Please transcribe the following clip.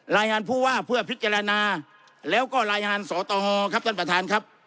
รายงานผู้ว่าเพื่อพิจารณาแล้วก็รายงานสตงครับท่านประธานครับ